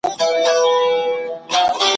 ځه چي دواړه د پاچا کورته روان سو `